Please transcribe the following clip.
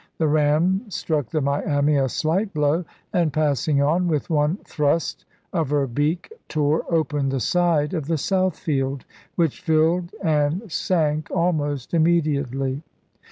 The ram struck the Miami & slight blow, and, passing on, with one thrust of her beak tore open the side of the Southfield, which filled and sank almost immediately.